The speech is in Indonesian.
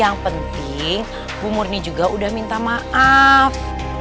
yang penting bu murni juga udah minta maaf